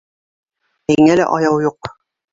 Һиңә лә аяу юҡ!